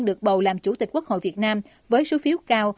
được bầu làm chủ tịch quốc hội việt nam với số phiếu cao